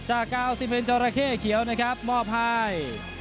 จาก๙๑จอระเข้เขียวนะครับมอบให้